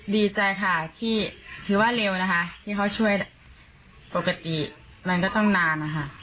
ดีใจค่ะที่ถือว่าเร็วนะคะที่เขาช่วยปกติมันก็ต้องนานนะคะ